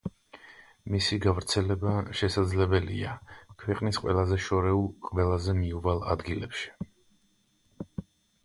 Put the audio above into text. მისი გავრცელება შესაძლებელია ქვეყნის ყველაზე შორეულ, ყველაზე მიუვალ ადგილებში.